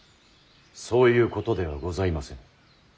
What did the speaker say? そういうことではございませぬ。